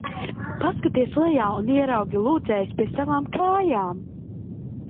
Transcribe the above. Paskaties lejā un ieraugi lūdzējus pie savām kājām!